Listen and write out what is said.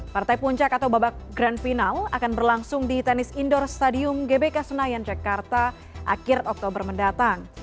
partai puncak atau babak grand final akan berlangsung di tenis indoor stadium gbk senayan jakarta akhir oktober mendatang